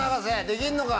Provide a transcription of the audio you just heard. できんのか？